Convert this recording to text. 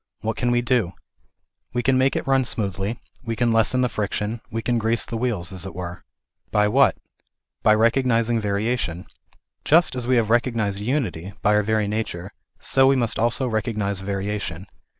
What can we do ? We can make it run smoothly, we can lessen the friction, we can grease the wheels, as it were. By what ? By recognizing variation. Just as we have recognized unity by our very nature, so we must also recognize variation.